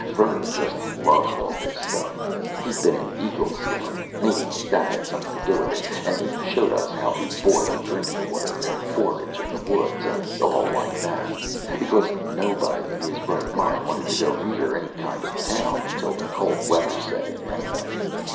Vern just loved all this stuff he'd been an Eagle Scout; maybe that had something to do with it and he showed us how to boil drinking water and forage in the woods and all like that, because nobody in his right mind wanted to go near any kind of a town, until the cold weather set in, anyway.